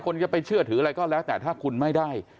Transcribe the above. จะไปเชื่อถืออะไรก็แล้วแต่ถ้าคุณไม่ได้